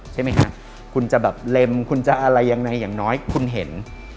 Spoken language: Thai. ใช่ไหมฮะคุณจะแบบเล็มคุณจะอะไรยังไงอย่างน้อยคุณเห็น